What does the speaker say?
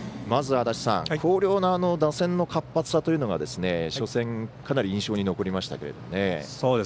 まず、広陵の打線の活発さというのが初戦、かなり印象に残りましたけども。